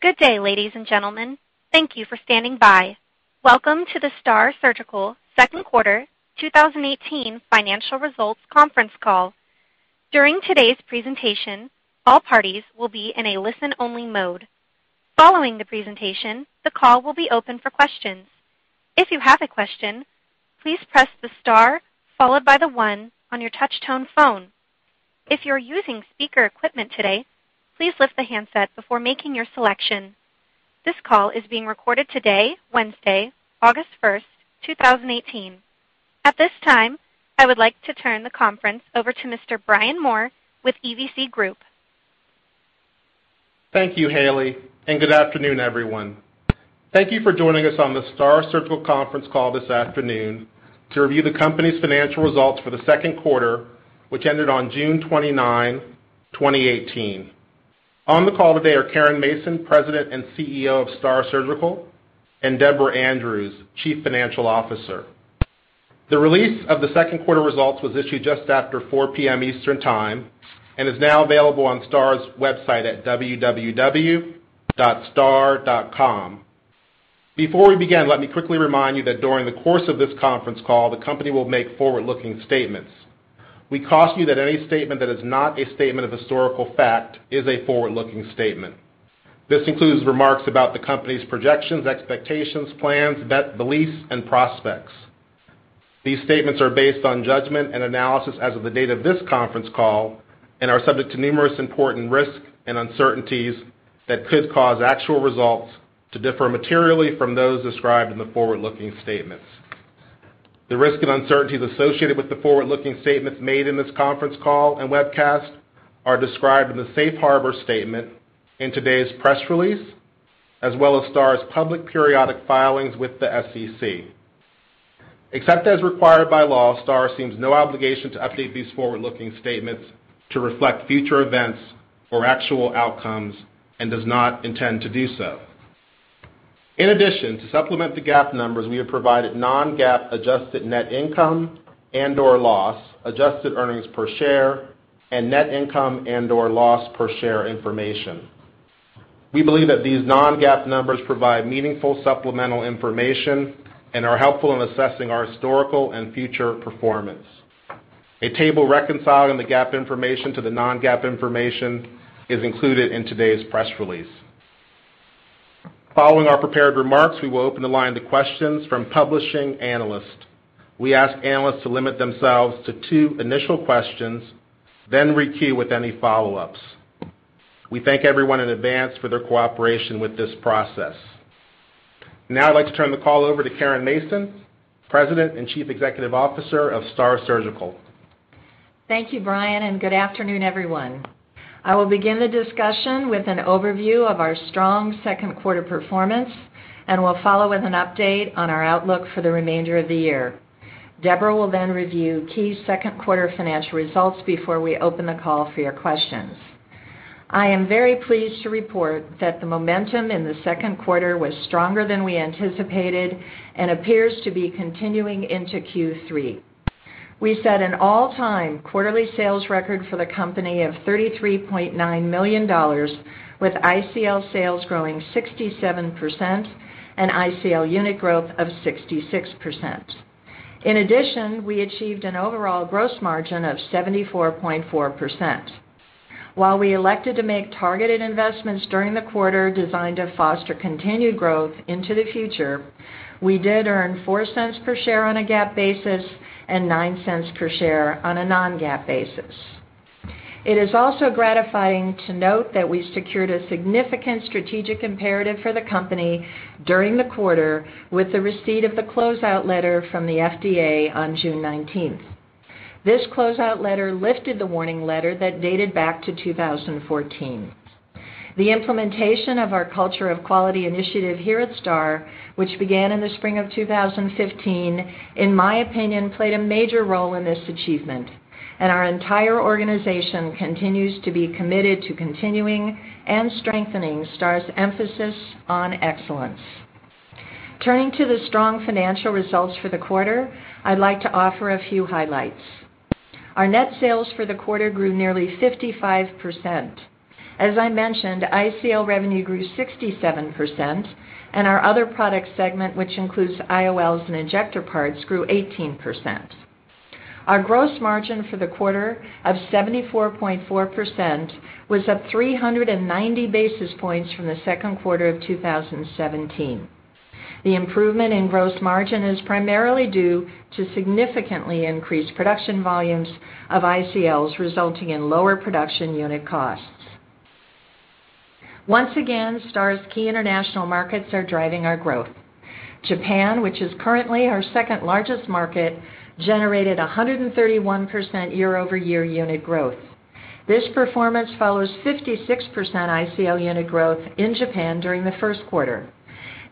Good day, ladies and gentlemen. Thank you for standing by. Welcome to the STAAR Surgical second quarter 2018 financial results conference call. During today's presentation, all parties will be in a listen-only mode. Following the presentation, the call will be open for questions. If you have a question, please press the star followed by the one on your touch tone phone. If you're using speaker equipment today, please lift the handset before making your selection. This call is being recorded today, Wednesday, August 1st, 2018. At this time, I would like to turn the conference over to Mr. Brian Moore with EVC Group. Thank you, Haley, and good afternoon, everyone. Thank you for joining us on the STAAR Surgical conference call this afternoon to review the company's financial results for the second quarter, which ended on June 29, 2018. On the call today are Caren Mason, President and CEO of STAAR Surgical, and Deborah Andrews, Chief Financial Officer. The release of the second quarter results was issued just after 4:00 P.M. Eastern Time and is now available on STAAR's website at www.staar.com. Before we begin, let me quickly remind you that during the course of this conference call, the company will make forward-looking statements. We caution you that any statement that is not a statement of historical fact is a forward-looking statement. This includes remarks about the company's projections, expectations, plans, beliefs and prospects. These statements are based on judgment and analysis as of the date of this conference call and are subject to numerous important risks and uncertainties that could cause actual results to differ materially from those described in the forward-looking statements. The risks and uncertainties associated with the forward-looking statements made in this conference call and webcast are described in the safe harbor statement in today's press release, as well as STAAR's public periodic filings with the SEC. Except as required by law, STAAR assumes no obligation to update these forward-looking statements to reflect future events or actual outcomes and does not intend to do so. In addition, to supplement the GAAP numbers, we have provided non-GAAP adjusted net income and/or loss, adjusted earnings per share, and net income and/or loss per share information. We believe that these non-GAAP numbers provide meaningful supplemental information and are helpful in assessing our historical and future performance. A table reconciling the GAAP information to the non-GAAP information is included in today's press release. Following our prepared remarks, we will open the line to questions from publishing analysts. We ask analysts to limit themselves to two initial questions, then requeue with any follow-ups. We thank everyone in advance for their cooperation with this process. I'd like to turn the call over to Caren Mason, President and Chief Executive Officer of STAAR Surgical. Thank you, Brian. Good afternoon, everyone. I will begin the discussion with an overview of our strong second quarter performance. I will follow with an update on our outlook for the remainder of the year. Debra will review key second quarter financial results before we open the call for your questions. I am very pleased to report that the momentum in the second quarter was stronger than we anticipated and appears to be continuing into Q3. We set an all-time quarterly sales record for the company of $33.9 million, with ICL sales growing 67% and ICL unit growth of 66%. In addition, we achieved an overall gross margin of 74.4%. While we elected to make targeted investments during the quarter designed to foster continued growth into the future, we did earn $0.04 per share on a GAAP basis and $0.09 per share on a non-GAAP basis. It is also gratifying to note that we secured a significant strategic imperative for the company during the quarter with the receipt of the closeout letter from the FDA on June 19th. This closeout letter lifted the warning letter that dated back to 2014. The implementation of our culture of quality initiative here at STAAR, which began in the spring of 2015, in my opinion, played a major role in this achievement. Our entire organization continues to be committed to continuing and strengthening STAAR's emphasis on excellence. Turning to the strong financial results for the quarter, I'd like to offer a few highlights. Our net sales for the quarter grew nearly 55%. As I mentioned, ICL revenue grew 67%. Our other product segment, which includes IOLs and injector parts, grew 18%. Our gross margin for the quarter of 74.4% was up 390 basis points from the second quarter of 2017. The improvement in gross margin is primarily due to significantly increased production volumes of ICLs, resulting in lower production unit costs. Once again, STAAR's key international markets are driving our growth. Japan, which is currently our second largest market, generated 131% year-over-year unit growth. This performance follows 56% ICL unit growth in Japan during the first quarter.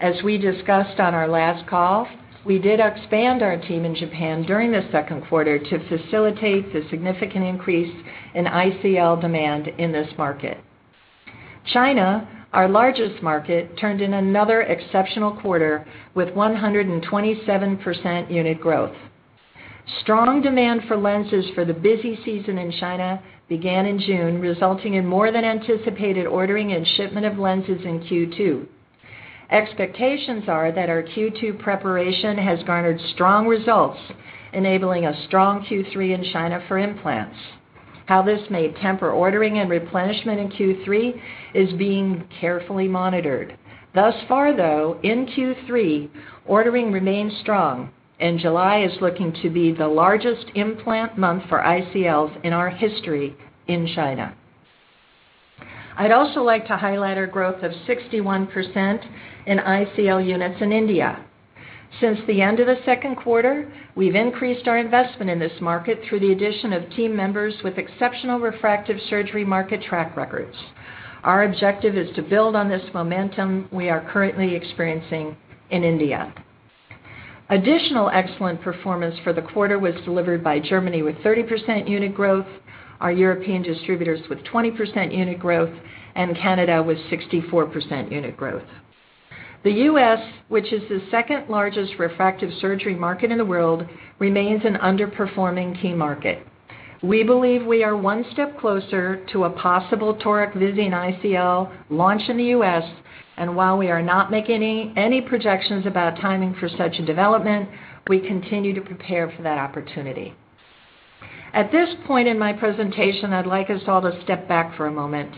As we discussed on our last call, we did expand our team in Japan during the second quarter to facilitate the significant increase in ICL demand in this market. China, our largest market, turned in another exceptional quarter with 127% unit growth. Strong demand for lenses for the busy season in China began in June, resulting in more than anticipated ordering and shipment of lenses in Q2. Expectations are that our Q2 preparation has garnered strong results, enabling a strong Q3 in China for implants. How this may temper ordering and replenishment in Q3 is being carefully monitored. Thus far, though, in Q3, ordering remains strong. July is looking to be the largest implant month for ICLs in our history in China. I'd also like to highlight our growth of 61% in ICL units in India. Since the end of the second quarter, we've increased our investment in this market through the addition of team members with exceptional refractive surgery market track records. Our objective is to build on this momentum we are currently experiencing in India. Additional excellent performance for the quarter was delivered by Germany with 30% unit growth, our European distributors with 20% unit growth. Canada with 64% unit growth. The U.S., which is the second-largest refractive surgery market in the world, remains an underperforming key market. We believe we are one step closer to a possible Visian Toric ICL launch in the U.S., and while we are not making any projections about timing for such a development, we continue to prepare for that opportunity. At this point in my presentation, I'd like us all to step back for a moment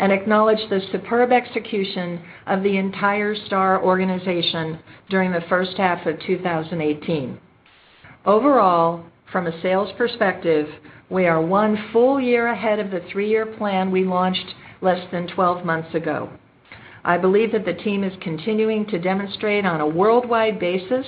and acknowledge the superb execution of the entire STAAR organization during the first half of 2018. Overall, from a sales perspective, we are one full year ahead of the three-year plan we launched less than 12 months ago. I believe that the team is continuing to demonstrate on a worldwide basis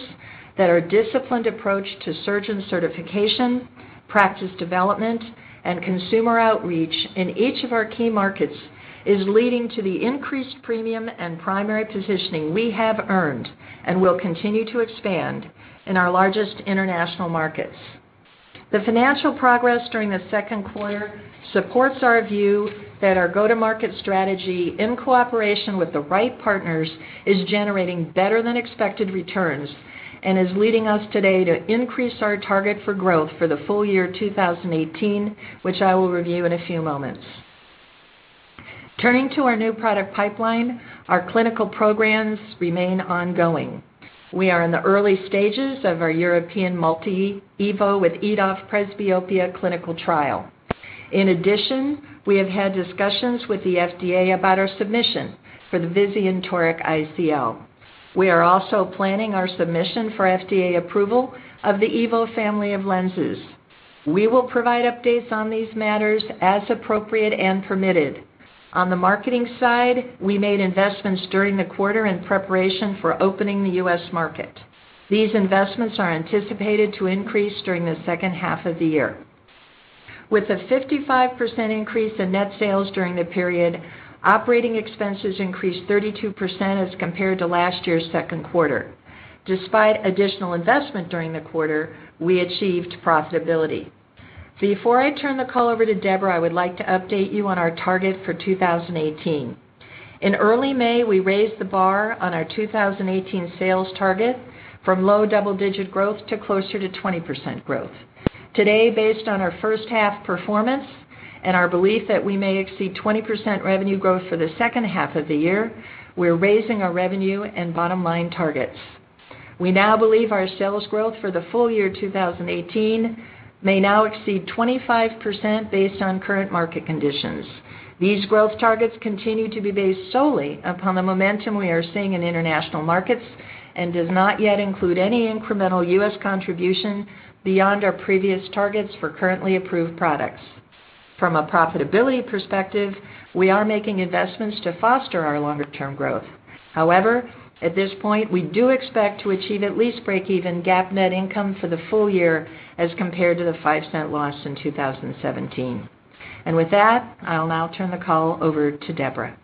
that our disciplined approach to surgeon certification, practice development, and consumer outreach in each of our key markets is leading to the increased premium and primary positioning we have earned and will continue to expand in our largest international markets. The financial progress during the second quarter supports our view that our go-to-market strategy in cooperation with the right partners is generating better than expected returns and is leading us today to increase our target for growth for the full year 2018, which I will review in a few moments. Turning to our new product pipeline, our clinical programs remain ongoing. We are in the early stages of our European multi-EVO with EDOF presbyopia clinical trial. In addition, we have had discussions with the FDA about our submission for the Visian Toric ICL. We are also planning our submission for FDA approval of the EVO family of lenses. We will provide updates on these matters as appropriate and permitted. On the marketing side, we made investments during the quarter in preparation for opening the U.S. market. These investments are anticipated to increase during the second half of the year. With a 55% increase in net sales during the period, operating expenses increased 32% as compared to last year's second quarter. Despite additional investment during the quarter, we achieved profitability. Before I turn the call over to Deborah, I would like to update you on our target for 2018. In early May, we raised the bar on our 2018 sales target from low double-digit growth to closer to 20% growth. Today, based on our first half performance and our belief that we may exceed 20% revenue growth for the second half of the year, we're raising our revenue and bottom-line targets. We now believe our sales growth for the full year 2018 may now exceed 25% based on current market conditions. These growth targets continue to be based solely upon the momentum we are seeing in international markets and does not yet include any incremental U.S. contribution beyond our previous targets for currently approved products. From a profitability perspective, we are making investments to foster our longer-term growth. However, at this point, we do expect to achieve at least break even GAAP net income for the full year as compared to the $0.05 loss in 2017. With that, I'll now turn the call over to Deborah.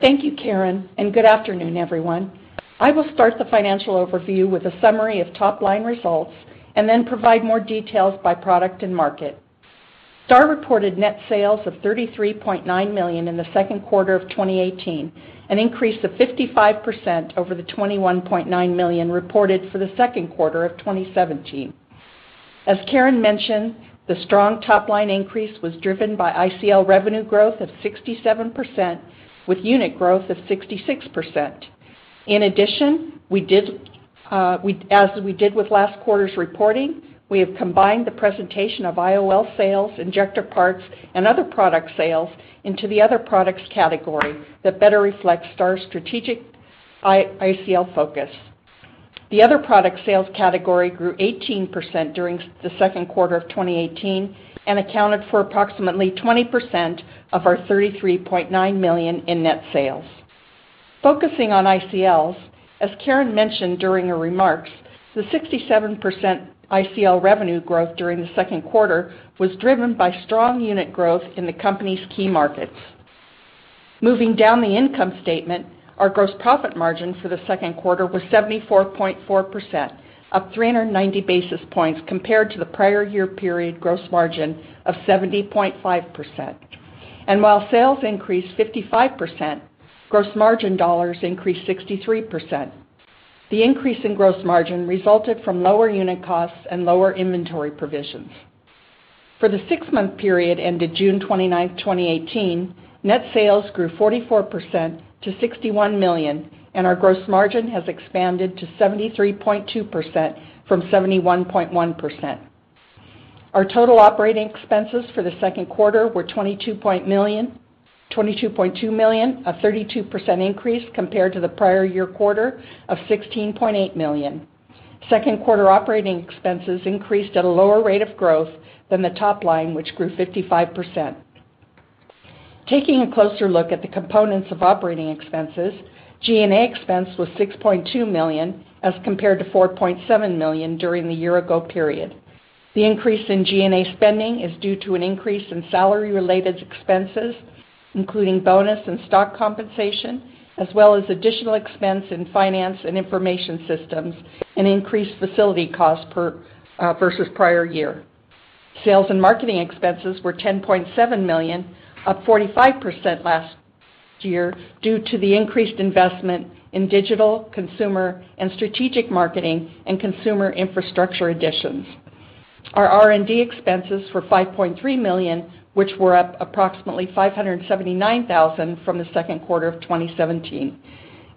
Thank you, Caren, and good afternoon, everyone. I will start the financial overview with a summary of top-line results and then provide more details by product and market. STAAR reported net sales of $33.9 million in the second quarter of 2018, an increase of 55% over the $21.9 million reported for the second quarter of 2017. As Caren mentioned, the strong top-line increase was driven by ICL revenue growth of 67%, with unit growth of 66%. In addition, as we did with last quarter's reporting, we have combined the presentation of IOL sales, injector parts, and other product sales into the other products category that better reflects STAAR's strategic ICL focus. The other product sales category grew 18% during the second quarter of 2018 and accounted for approximately 20% of our $33.9 million in net sales. Focusing on ICLs, as Caren mentioned during her remarks, the 67% ICL revenue growth during the second quarter was driven by strong unit growth in the company's key markets. Moving down the income statement, our gross profit margin for the second quarter was 74.4%, up 390 basis points compared to the prior year period gross margin of 70.5%. While sales increased 55%, gross margin dollars increased 63%. The increase in gross margin resulted from lower unit costs and lower inventory provisions. For the six-month period ended June 29th, 2018, net sales grew 44% to $61 million, and our gross margin has expanded to 73.2% from 71.1%. Our total operating expenses for the second quarter were $22.2 million, a 32% increase compared to the prior year quarter of $16.8 million. Second quarter operating expenses increased at a lower rate of growth than the top line, which grew 55%. Taking a closer look at the components of operating expenses, G&A expense was $6.2 million, as compared to $4.7 million during the year-ago period. The increase in G&A spending is due to an increase in salary-related expenses, including bonus and stock compensation, as well as additional expense in finance and information systems and increased facility costs versus prior year. Sales and marketing expenses were $10.7 million, up 45% last year due to the increased investment in digital, consumer and strategic marketing and consumer infrastructure additions. Our R&D expenses were $5.3 million, which were up approximately $579,000 from the second quarter of 2017.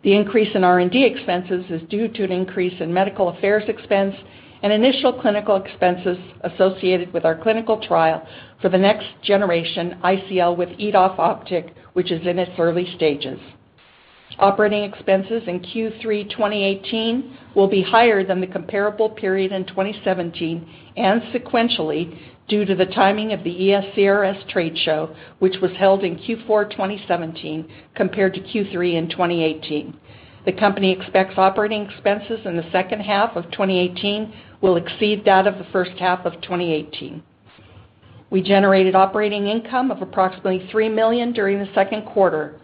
The increase in R&D expenses is due to an increase in medical affairs expense and initial clinical expenses associated with our clinical trial for the next generation ICL with EDOF optic, which is in its early stages. Operating expenses in Q3 2018 will be higher than the comparable period in 2017 and sequentially due to the timing of the ESCRS trade show, which was held in Q4 2017 compared to Q3 in 2018. The company expects operating expenses in the second half of 2018 will exceed that of the first half of 2018. We generated operating income of approximately $3 million during the second quarter.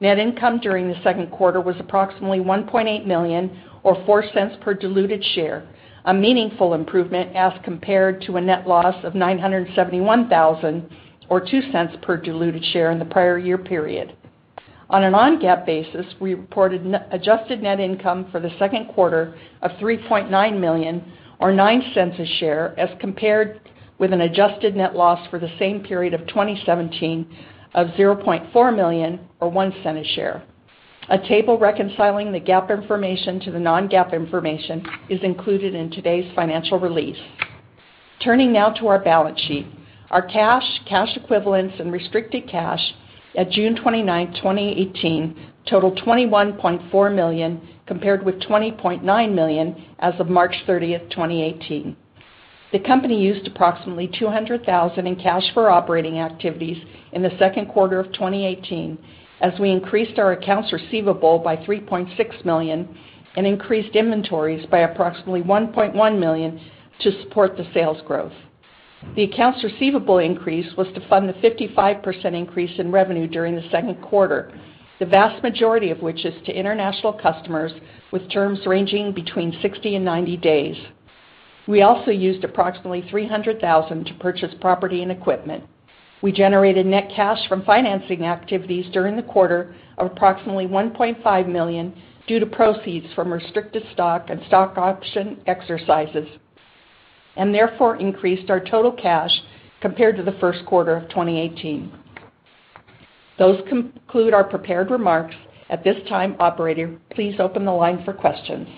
Net income during the second quarter was approximately $1.8 million, or $0.04 per diluted share, a meaningful improvement as compared to a net loss of $971,000, or $0.02 per diluted share in the prior year period. On a non-GAAP basis, we reported adjusted net income for the second quarter of $3.9 million, or $0.09 a share, as compared with an adjusted net loss for the same period of 2017 of $0.4 million, or $0.01 a share. A table reconciling the GAAP information to the non-GAAP information is included in today's financial release. Turning now to our balance sheet. Our cash equivalents, and restricted cash at June 29th, 2018 totaled $21.4 million, compared with $20.9 million as of March 30th, 2018. The company used approximately $200,000 in cash for operating activities in the second quarter of 2018, as we increased our accounts receivable by $3.6 million and increased inventories by approximately $1.1 million to support the sales growth. The accounts receivable increase was to fund the 55% increase in revenue during the second quarter, the vast majority of which is to international customers with terms ranging between 60 and 90 days. We also used approximately $300,000 to purchase property and equipment. We generated net cash from financing activities during the quarter of approximately $1.5 million due to proceeds from restricted stock and stock option exercises, and therefore increased our total cash compared to the first quarter of 2018. Those conclude our prepared remarks. At this time, operator, please open the line for questions.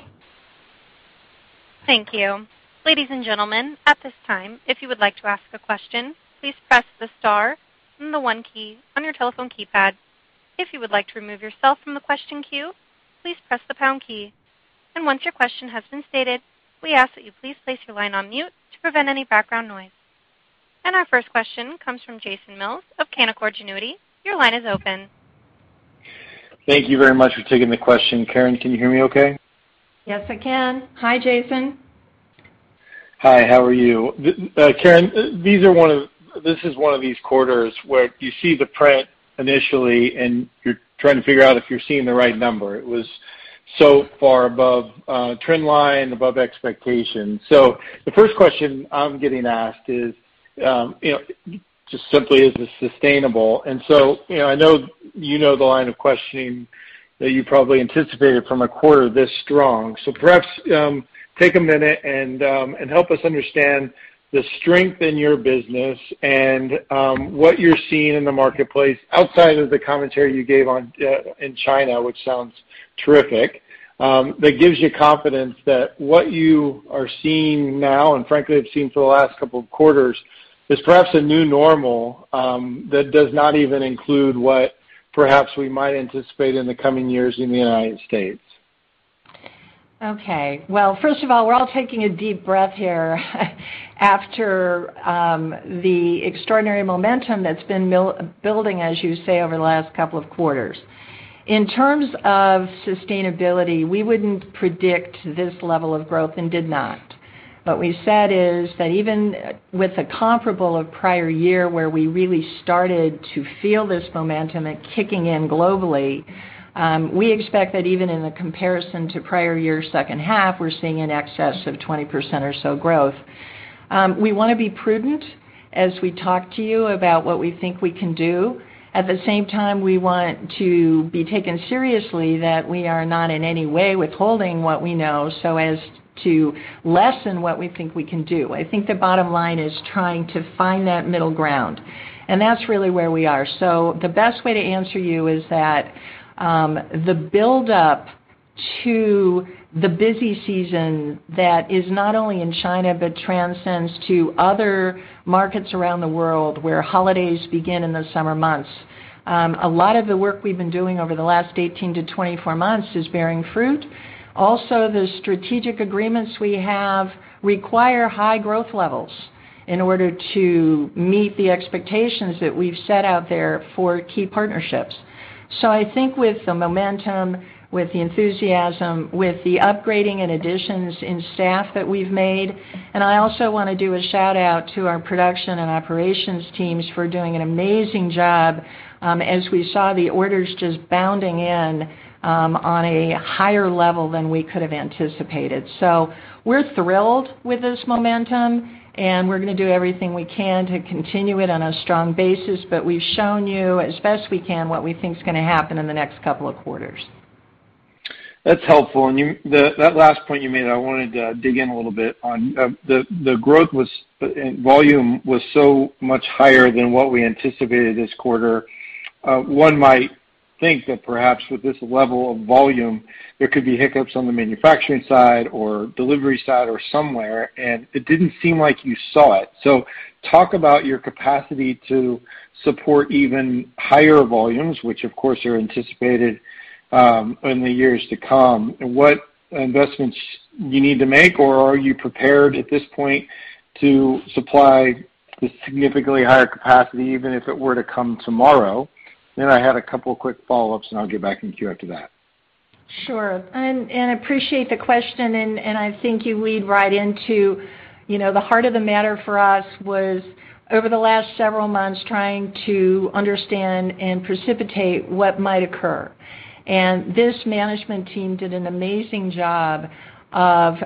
Thank you. Ladies and gentlemen, at this time, if you would like to ask a question, please press the star and the one key on your telephone keypad. If you would like to remove yourself from the question queue, please press the pound key. Once your question has been stated, we ask that you please place your line on mute to prevent any background noise. Our first question comes from Jason Mills of Canaccord Genuity. Your line is open. Thank you very much for taking the question. Caren, can you hear me okay? Yes, I can. Hi, Jason. Hi, how are you? Caren, this is one of these quarters where you see the print initially and you're trying to figure out if you're seeing the right number. It was so far above trend line, above expectation. The first question I'm getting asked is just simply, is this sustainable? I know you know the line of questioning that you probably anticipated from a quarter this strong. Perhaps take a minute and help us understand the strength in your business and what you're seeing in the marketplace outside of the commentary you gave in China, which sounds terrific, that gives you confidence that what you are seeing now, and frankly have seen for the last couple of quarters, is perhaps a new normal that does not even include what perhaps we might anticipate in the coming years in the United States. Okay. Well, first of all, we're all taking a deep breath here after the extraordinary momentum that's been building, as you say, over the last couple of quarters. In terms of sustainability, we wouldn't predict this level of growth and did not. What we've said is that even with a comparable of prior year where we really started to feel this momentum at kicking in globally, we expect that even in the comparison to prior year second half, we're seeing in excess of 20% or so growth. We want to be prudent As we talk to you about what we think we can do, at the same time, we want to be taken seriously that we are not in any way withholding what we know so as to lessen what we think we can do. I think the bottom line is trying to find that middle ground, and that's really where we are. The best way to answer you is that the buildup to the busy season, that is not only in China but transcends to other markets around the world where holidays begin in the summer months. A lot of the work we've been doing over the last 18-24 months is bearing fruit. Also, the strategic agreements we have require high growth levels in order to meet the expectations that we've set out there for key partnerships. I think with the momentum, with the enthusiasm, with the upgrading and additions in staff that we've made, I also want to do a shout-out to our production and operations teams for doing an amazing job as we saw the orders just bounding in on a higher level than we could have anticipated. We're thrilled with this momentum, we're going to do everything we can to continue it on a strong basis, we've shown you as best we can what we think is going to happen in the next couple of quarters. That's helpful. That last point you made, I wanted to dig in a little bit on. The growth was, and volume was so much higher than what we anticipated this quarter. One might think that perhaps with this level of volume, there could be hiccups on the manufacturing side or delivery side or somewhere, and it didn't seem like you saw it. Talk about your capacity to support even higher volumes, which of course are anticipated in the years to come. What investments you need to make, or are you prepared at this point to supply the significantly higher capacity, even if it were to come tomorrow? I had a couple quick follow-ups, I'll get back in queue after that. Sure. Appreciate the question, I think you lead right into the heart of the matter for us was over the last several months, trying to understand and precipitate what might occur. This management team did an amazing job of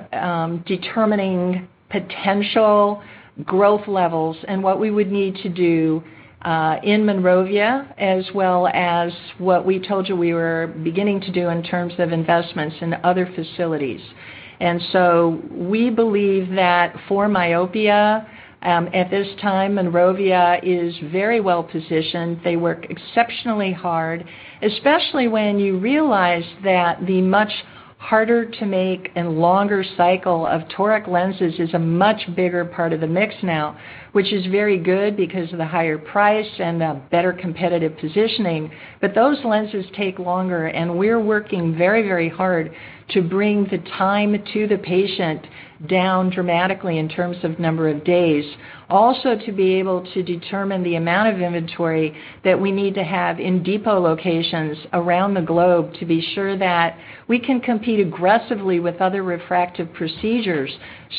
determining potential growth levels and what we would need to do in Monrovia as well as what we told you we were beginning to do in terms of investments in other facilities. We believe that for myopia, at this time, Monrovia is very well positioned. They work exceptionally hard, especially when you realize that the much harder to make and longer cycle of Toric lenses is a much bigger part of the mix now, which is very good because of the higher price and the better competitive positioning. Those lenses take longer, we're working very hard to bring the time to the patient down dramatically in terms of number of days. Also to be able to determine the amount of inventory that we need to have in depot locations around the globe to be sure that we can compete aggressively with other refractive procedures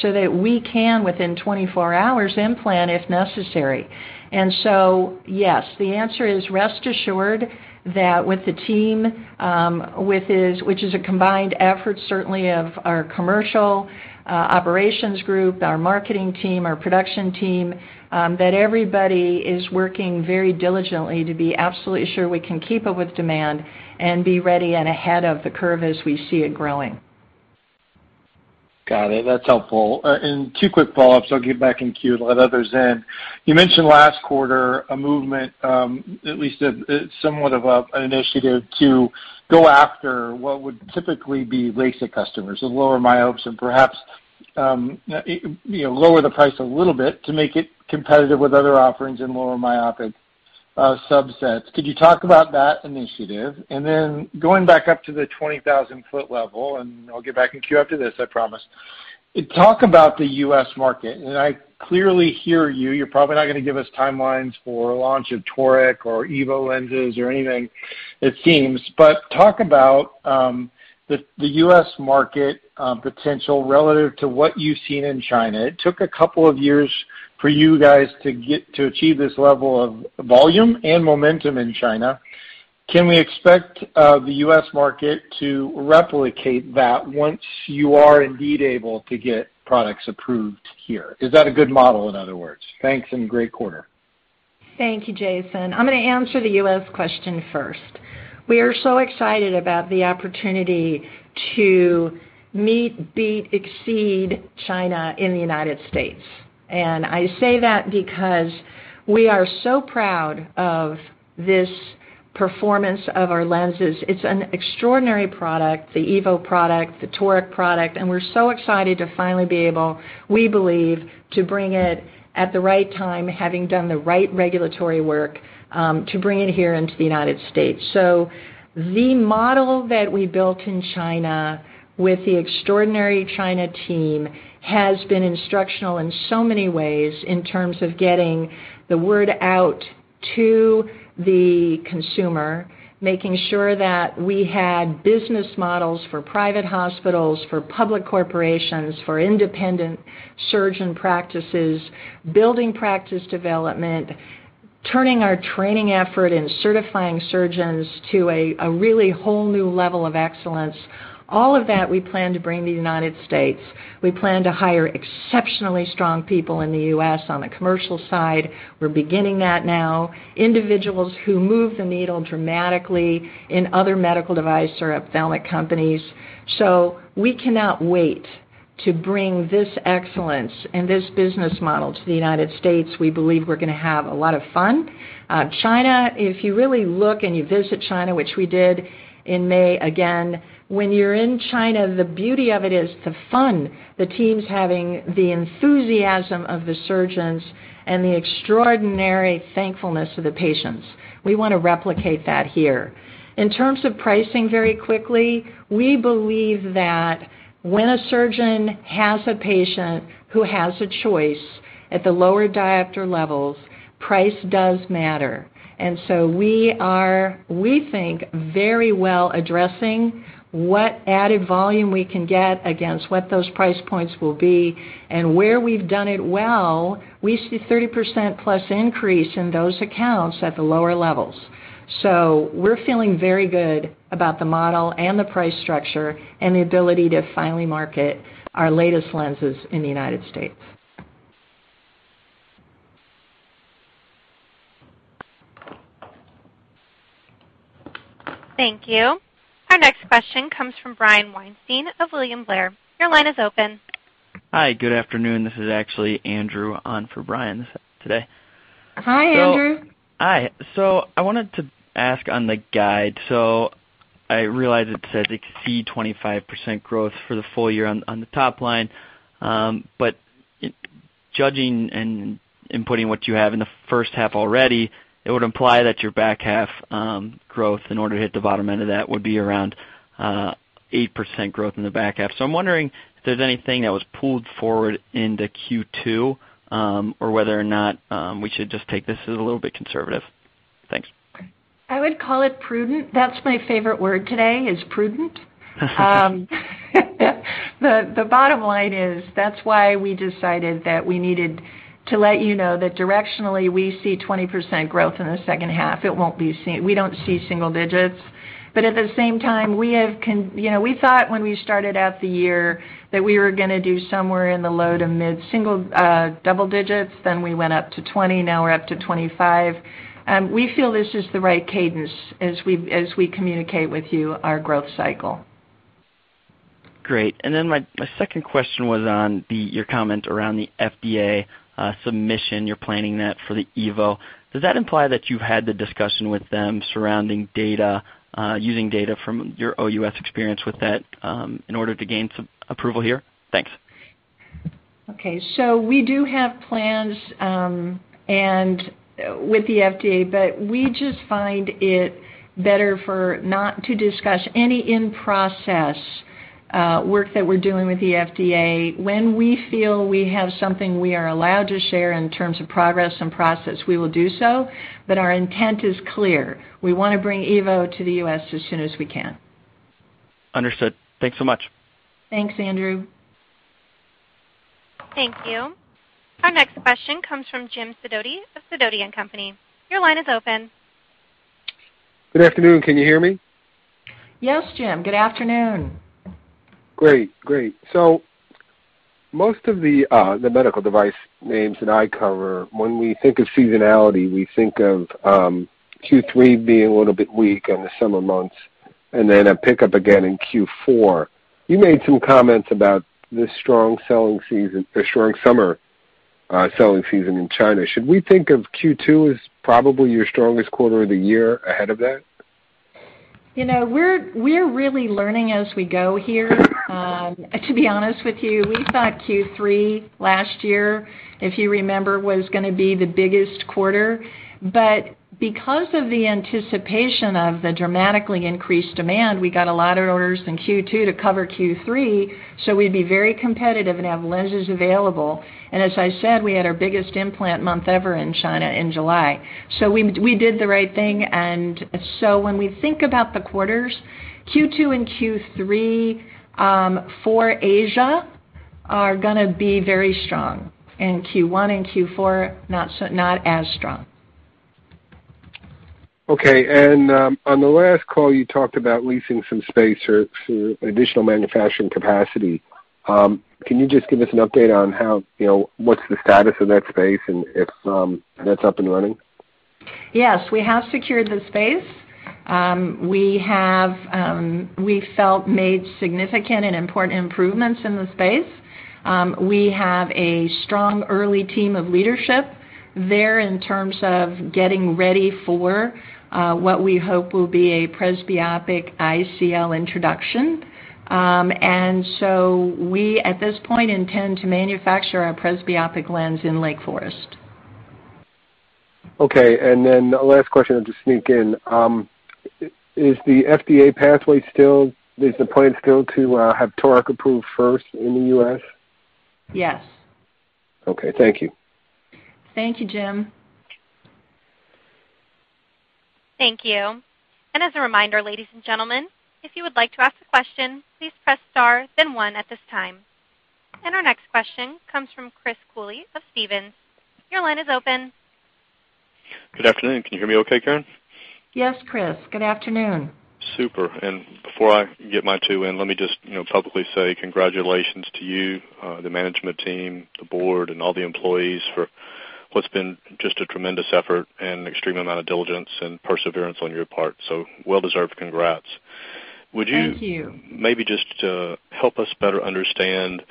so that we can, within 24 hours, implant if necessary. Yes, the answer is rest assured that with the team, which is a combined effort, certainly of our commercial operations group, our marketing team, our production team, that everybody is working very diligently to be absolutely sure we can keep up with demand and be ready and ahead of the curve as we see it growing. Got it. That's helpful. Two quick follow-ups. I'll get back in queue to let others in. You mentioned last quarter a movement, at least somewhat of an initiative to go after what would typically be LASIK customers. Lower myopes and perhaps lower the price a little bit to make it competitive with other offerings in lower myopic subsets. Could you talk about that initiative? Going back up to the 20,000-foot level, and I'll get back in queue after this, I promise. Talk about the U.S. market. I clearly hear you're probably not going to give us timelines for launch of Toric or EVO lenses or anything it seems, but talk about the U.S. market potential relative to what you've seen in China. It took a couple of years for you guys to achieve this level of volume and momentum in China. Can we expect the U.S. market to replicate that once you are indeed able to get products approved here? Is that a good model, in other words? Thanks, great quarter. Thank you, Jason. I'm going to answer the U.S. question first. We are so excited about the opportunity to meet, beat, exceed China in the United States. I say that because we are so proud of this performance of our lenses. It's an extraordinary product, the EVO product, the Toric product, and we're so excited to finally be able, we believe, to bring it at the right time, having done the right regulatory work, to bring it here into the United States. The model that we built in China with the extraordinary China team has been instructional in so many ways in terms of getting the word out to the consumer, making sure that we had business models for private hospitals, for public corporations, for independent surgeon practices, building practice development. Turning our training effort and certifying surgeons to a really whole new level of excellence. All of that, we plan to bring to the United States. We plan to hire exceptionally strong people in the U.S. on the commercial side. We're beginning that now. Individuals who move the needle dramatically in other medical device or ophthalmic companies. We cannot wait to bring this excellence and this business model to the United States. We believe we're going to have a lot of fun. China, if you really look and you visit China, which we did in May again, when you're in China, the beauty of it is the fun the team's having, the enthusiasm of the surgeons, and the extraordinary thankfulness of the patients. We want to replicate that here. In terms of pricing, very quickly, we believe that when a surgeon has a patient who has a choice at the lower diopter levels, price does matter. We are, we think, very well addressing what added volume we can get against what those price points will be, and where we've done it well, we see 30%+ increase in those accounts at the lower levels. We're feeling very good about the model and the price structure and the ability to finally market our latest lenses in the U.S. Thank you. Our next question comes from Brian Weinstein of William Blair. Your line is open. Hi, good afternoon. This is actually Andrew on for Brian today. Hi, Andrew. Hi. I wanted to ask on the guide. I realize it says exceed 25% growth for the full year on the top line. Judging and inputting what you have in the first half already, it would imply that your back half growth, in order to hit the bottom end of that, would be around 8% growth in the back half. I'm wondering if there's anything that was pulled forward into Q2, or whether or not we should just take this as a little bit conservative. Thanks. I would call it prudent. That's my favorite word today, is prudent. The bottom line is that's why we decided that we needed to let you know that directionally we see 20% growth in the second half. We don't see single digits. At the same time, we thought when we started out the year that we were going to do somewhere in the low- to mid-double digits. We went up to 20, now we're up to 25. We feel this is the right cadence as we communicate with you our growth cycle. Great. My second question was on your comment around the FDA submission. You're planning that for the EVO. Does that imply that you've had the discussion with them surrounding data, using data from your OUS experience with that, in order to gain some approval here? Thanks. Okay. We do have plans with the FDA, but we just find it better for not to discuss any in-process work that we're doing with the FDA. When we feel we have something we are allowed to share in terms of progress and process, we will do so. Our intent is clear. We want to bring EVO to the US as soon as we can. Understood. Thanks so much. Thanks, Andrew. Thank you. Our next question comes from Jim Sidoti of Sidoti & Company. Your line is open. Good afternoon. Can you hear me? Yes, Jim. Good afternoon. Great. Most of the medical device names that I cover, when we think of seasonality, we think of Q3 being a little bit weak in the summer months and then a pickup again in Q4. You made some comments about the strong summer selling season in China. Should we think of Q2 as probably your strongest quarter of the year ahead of that? We're really learning as we go here. To be honest with you, we thought Q3 last year, if you remember, was going to be the biggest quarter. Because of the anticipation of the dramatically increased demand, we got a lot of orders in Q2 to cover Q3. We'd be very competitive and have lenses available. As I said, we had our biggest implant month ever in China in July. We did the right thing. When we think about the quarters, Q2 and Q3 for Asia are going to be very strong, and Q1 and Q4 not as strong. Okay. On the last call, you talked about leasing some space for additional manufacturing capacity. Can you just give us an update on what's the status of that space and if that's up and running? Yes. We have secured the space. We felt made significant and important improvements in the space. We have a strong early team of leadership there in terms of getting ready for what we hope will be a presbyopic ICL introduction. We, at this point, intend to manufacture our presbyopic lens in Lake Forest. Okay. Last question, I'll just sneak in. Is the FDA pathway still, is the plan still to have Toric approved first in the U.S.? Yes. Okay. Thank you. Thank you, Jim. Thank you. As a reminder, ladies and gentlemen, if you would like to ask a question, please press star then one at this time. Our next question comes from Chris Cooley of Stephens. Your line is open. Good afternoon. Can you hear me okay, Caren? Yes, Chris. Good afternoon. Super. Before I get my two in, let me just publicly say congratulations to you, the management team, the board, and all the employees for what's been just a tremendous effort and an extreme amount of diligence and perseverance on your part. Well-deserved congrats. Thank you. Would you maybe just to help us better understand,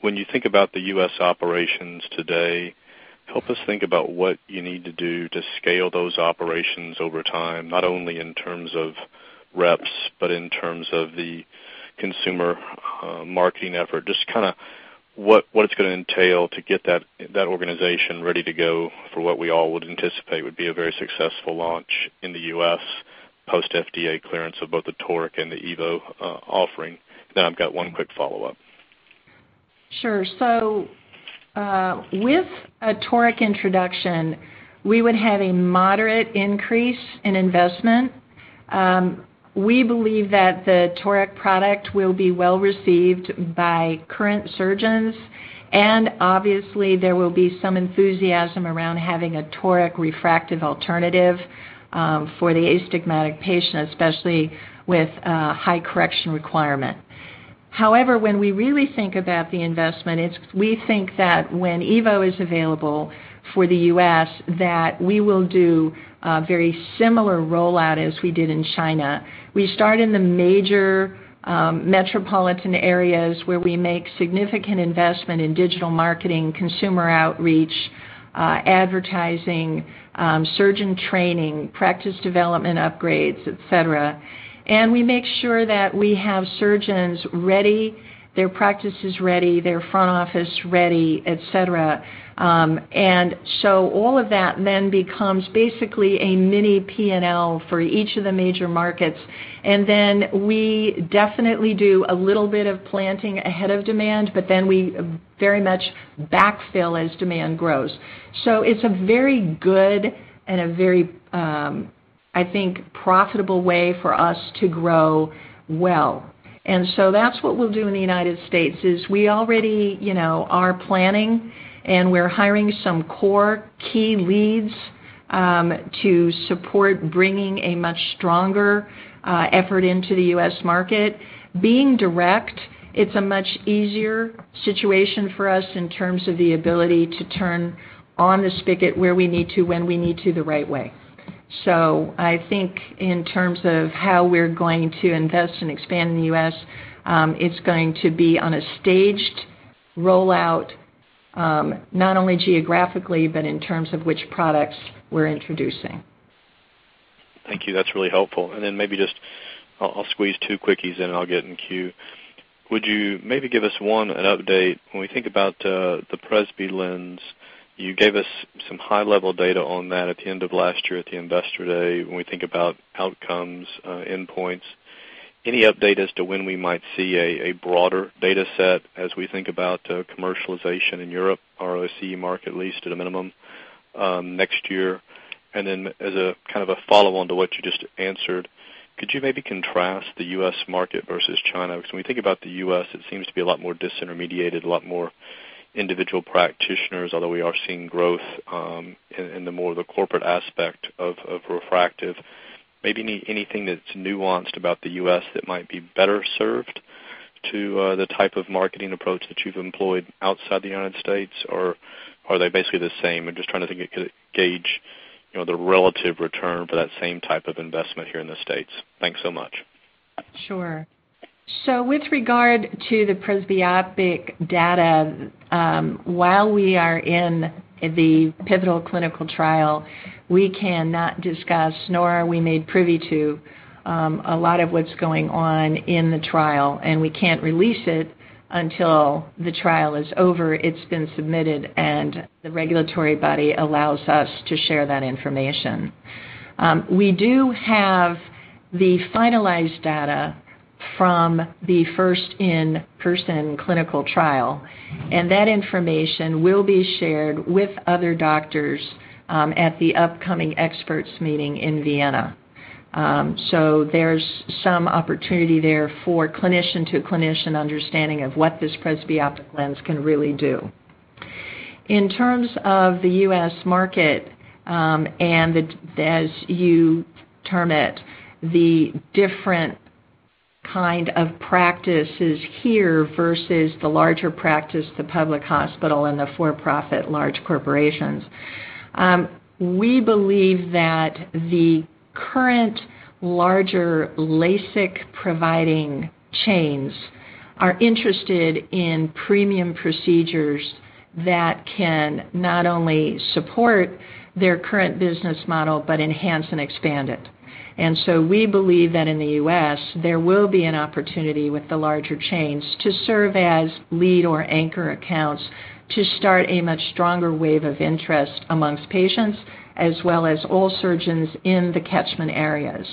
when you think about the U.S. operations today, help us think about what you need to do to scale those operations over time, not only in terms of reps, but in terms of the consumer marketing effort. Just what it's going to entail to get that organization ready to go for what we all would anticipate would be a very successful launch in the U.S. post-FDA clearance of both the Toric and the EVO offering. I've got one quick follow-up. Sure. With a Toric introduction, we would have a moderate increase in investment. We believe that the Toric product will be well-received by current surgeons, and obviously, there will be some enthusiasm around having a Toric refractive alternative for the astigmatic patient, especially with a high correction requirement. However, when we really think about the investment, we think that when EVO is available for the U.S., that we will do a very similar rollout as we did in China. We start in the major metropolitan areas where we make significant investment in digital marketing, consumer outreach, advertising, surgeon training, practice development upgrades, et cetera. We make sure that we have surgeons ready, their practice is ready, their front office ready, et cetera. All of that then becomes basically a mini P&L for each of the major markets. We definitely do a little bit of planting ahead of demand, we very much backfill as demand grows. It's a very good and a very, I think, profitable way for us to grow well. That's what we'll do in the U.S., is we already are planning and we're hiring some core key leads to support bringing a much stronger effort into the U.S. market. Being direct, it's a much easier situation for us in terms of the ability to turn on the spigot where we need to, when we need to, the right way. I think in terms of how we're going to invest and expand in the U.S., it's going to be on a staged rollout, not only geographically, but in terms of which products we're introducing. Thank you. That's really helpful. Maybe, I'll squeeze two quickies in, and I'll get in queue. Would you maybe give us, one, an update when we think about the presby lens, you gave us some high-level data on that at the end of last year at the investor day. When we think about outcomes, endpoints, any update as to when we might see a broader data set as we think about commercialization in Europe, or CE mark, at least at a minimum, next year? As a follow-on to what you just answered, could you maybe contrast the U.S. market versus China? When we think about the U.S., it seems to be a lot more disintermediated, a lot more individual practitioners, although we are seeing growth in the more the corporate aspect of refractive. Maybe anything that's nuanced about the U.S. that might be better served to the type of marketing approach that you've employed outside the United States? Are they basically the same? I'm trying to gauge the relative return for that same type of investment here in the States. Thanks so much. Sure. With regard to the presbyopic data, while we are in the pivotal clinical trial, we cannot discuss, nor are we made privy to, a lot of what's going on in the trial, and we can't release it until the trial is over, it's been submitted, and the regulatory body allows us to share that information. We do have the finalized data from the first-in-person clinical trial. That information will be shared with other doctors at the upcoming experts meeting in Vienna. There's some opportunity there for clinician-to-clinician understanding of what this presbyopic lens can really do. In terms of the U.S. market, and as you term it, the different kind of practices here versus the larger practice, the public hospital and the for-profit large corporations. We believe that the current larger LASIK-providing chains are interested in premium procedures that can not only support their current business model but enhance and expand it. We believe that in the U.S., there will be an opportunity with the larger chains to serve as lead or anchor accounts to start a much stronger wave of interest amongst patients, as well as all surgeons in the catchment areas.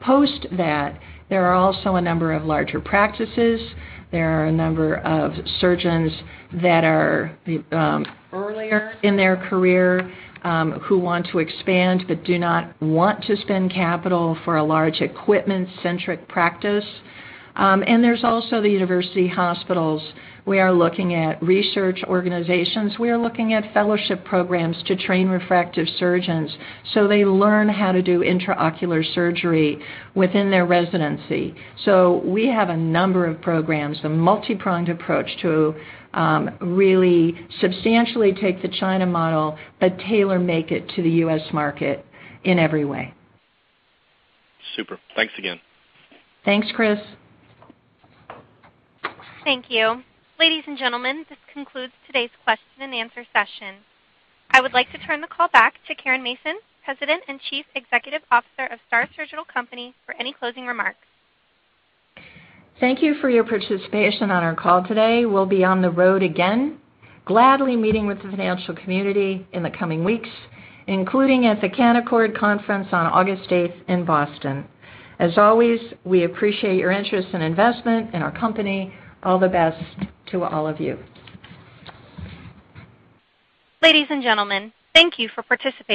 Post that, there are also a number of larger practices. There are a number of surgeons that are earlier in their career who want to expand but do not want to spend capital for a large equipment-centric practice. There's also the university hospitals. We are looking at research organizations. We are looking at fellowship programs to train refractive surgeons so they learn how to do intraocular surgery within their residency. We have a number of programs, a multi-pronged approach to really substantially take the China model but tailor-make it to the U.S. market in every way. Super. Thanks again. Thanks, Chris. Thank you. Ladies and gentlemen, this concludes today's question and answer session. I would like to turn the call back to Caren Mason, President and Chief Executive Officer of STAAR Surgical Company, for any closing remarks. Thank you for your participation on our call today. We'll be on the road again, gladly meeting with the financial community in the coming weeks, including at the Canaccord Conference on August 8th in Boston. As always, we appreciate your interest and investment in our company. All the best to all of you. Ladies and gentlemen, thank you for participating.